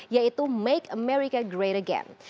yaitu make america great again